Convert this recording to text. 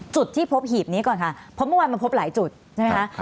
จุดที่พบหีบนี้ก่อนค่ะเพราะเมื่อวานมันพบหลายจุดใช่ไหมคะ